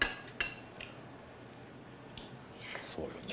そうよね。